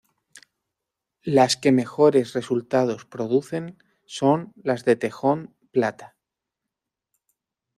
Las que mejores resultados producen son las de tejón plata.